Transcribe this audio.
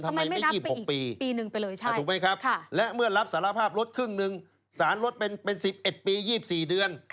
ทำไมไม่๒๖ปีปีหนึ่งไปเลยถูกไหมครับและเมื่อรับสารภาพลดครึ่งหนึ่งสารลดเป็น๑๑ปี๒๔เดือน